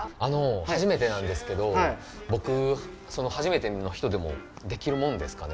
初めてなんですけど、僕、初めての人でもできるもんですか？